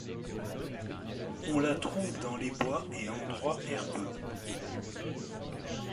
On la trouve dans les bois et endroits herbeux.